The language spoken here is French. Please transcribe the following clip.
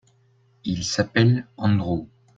Il s'appelle Andrew.